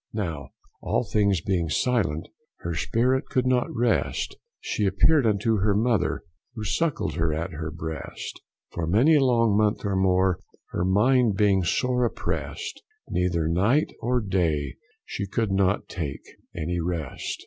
Now all things being silent, her spirit could not rest, She appeared unto her mother, who suckled her at her breast; For many a long month or more, her mind being sore oppress'd, Neither night or day she could not take any rest.